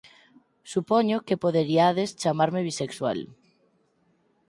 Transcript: Supoño que poderiades chamarme bisexual.